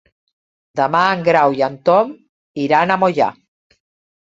Demà passat en Grau i en Tom iran a Moià.